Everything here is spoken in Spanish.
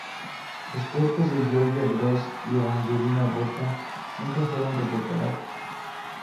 Los cuerpos de Georgina Droz y Evangelina Botta nunca fueron recuperados.